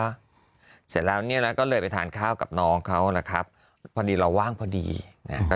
เสร็จแล้วเนี่ยนะก็เลยไปทานข้าวกับน้องเขานะครับพอดีเราว่างพอดีนะฮะ